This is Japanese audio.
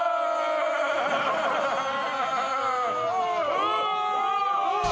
お！